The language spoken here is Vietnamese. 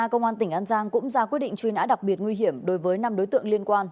công an tỉnh an giang cũng ra quyết định truy nã đặc biệt nguy hiểm đối với năm đối tượng liên quan